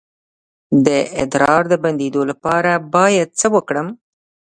د ادرار د بندیدو لپاره باید څه وکړم؟